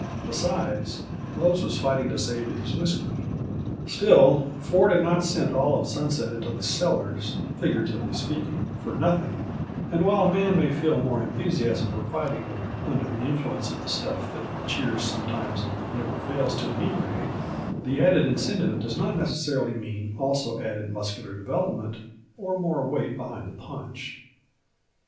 Besides, Mose was fighting to save his whisky. Still, Ford had not sent all of Sunset into its cellars, figuratively speaking, for nothing; and while a man may feel more enthusiasm for fighting when under the influence of the stuff that cheers sometimes and never fails to inebriate, the added incentive does not necessarily mean also added muscular development or more weight behind the punch.